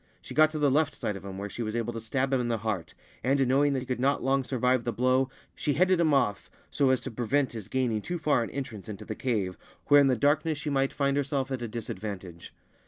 She got to the left side of him, where she was able to stab him in the heart, and, knowing that he could not long survive the blow, she headed him off so as to prevent his gaining too far an entrance into the cave, where in the darkness she might find herself at a dis advantage.